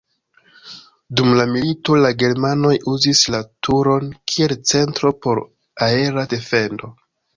Dum la milito la germanoj uzis la turon kiel centro por aera defendo.